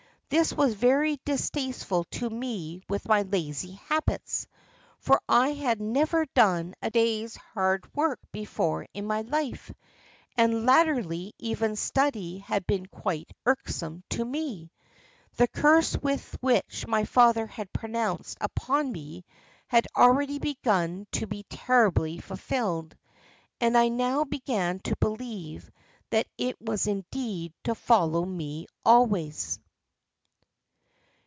This was very distasteful to me with my lazy habits, for I had never done a day's hard work before in my life, and latterly even study had become quite irksome to me. The curse which my father had pronounced upon me had already begun to be terribly fulfilled, and I now began to believe that it was indeed to follow me always."